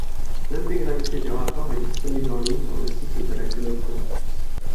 L'intégralité du rapport est disponible en ligne sur le site de la Commission.